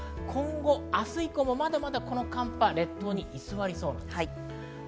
今後、明日以降もまだまだ寒波は列島に居座りそうです。